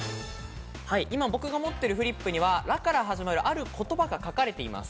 今僕が持っているフリップには、「ラ」から始まるある言葉が書かれています。